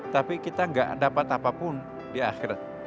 tapi kita gak dapat apapun di akhirat